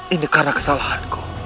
ini karena kesalahanku